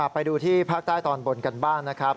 ไปดูที่ภาคใต้ตอนบนกันบ้างนะครับ